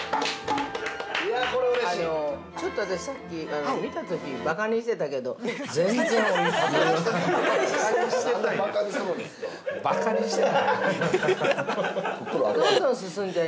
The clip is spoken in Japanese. ちょっと、私さっき見たときばかにしてたけど全然おいしい！